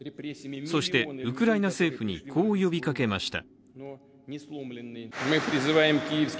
そして、ウクライナ政府にこう呼びかけました。